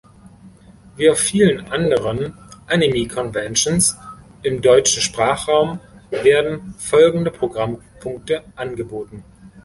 Wie auf vielen anderen Anime-Conventions im deutschen Sprachraum werden folgende Programmpunkte angeboten.